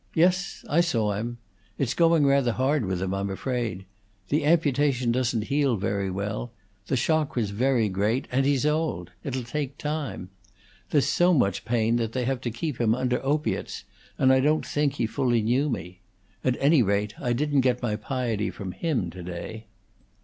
"Yes, I saw him. It's going rather hard with him, I'm afraid. The amputation doesn't heal very well; the shock was very great, and he's old. It'll take time. There's so much pain that they have to keep him under opiates, and I don't think he fully knew me. At any rate, I didn't get my piety from him to day."